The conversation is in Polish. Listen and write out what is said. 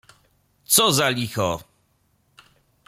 "Co za licho!"